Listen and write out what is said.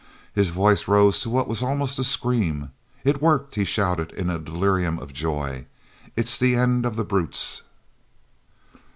His voice rose to what was almost a scream. "It's worked!" he shouted in a delirium of joy. "It's the end of the brutes!"